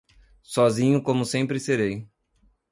sozinho como sempre serei.